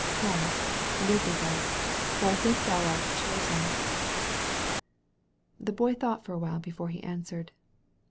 Come, live with us, for I think thou art chosen." The Boy thought for a while before he answered.